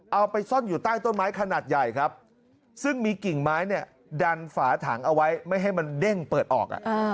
เอาไปซ่อนอยู่ใต้ต้นไม้ขนาดใหญ่ครับซึ่งมีกิ่งไม้เนี่ยดันฝาถังเอาไว้ไม่ให้มันเด้งเปิดออก